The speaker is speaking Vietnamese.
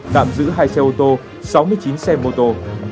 tạm giữ hai xe ô tô sáu mươi chín xe mô tô